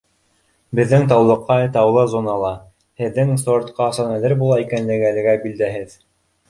Беҙҙең Таулыҡай таулы зонала, һеҙҙең сорт ҡасан әҙер була икәнлеге әлегә билдәһеҙ